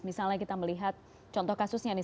misalnya kita melihat contoh kasusnya nih